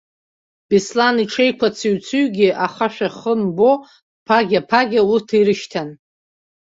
Беслан иҽеиқәа цыҩцыҩгьы ахашәа хы мбо, ԥагьа-ԥагьа урҭ ирышьҭан.